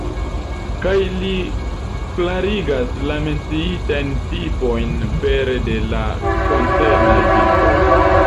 Kaj li klarigas la menciitajn tipojn pere de la koncernaj bildoj.